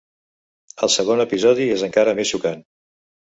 El segon episodi és encara més xocant.